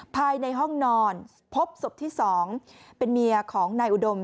ภายในห้องนอนพบศพที่๒เป็นเมียของนายอุดม